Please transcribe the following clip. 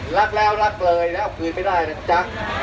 รักแล้วรักเลยแล้วคืนไม่ได้นะจ๊ะ